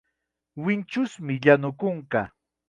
Winchusmi llanu kunka.